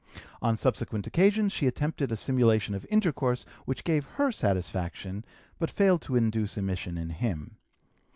On subsequent occasions she attempted a simulation of intercourse, which gave her satisfaction, but failed to induce emission in him.